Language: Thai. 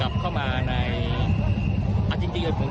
และไม่อยากยืนหลังชีวิตแบบนี้